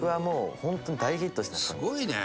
すごいね！